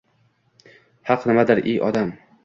— Haq nimadir, ey odam?